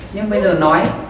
nhưng bây giờ nói